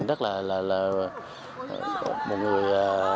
rất là một người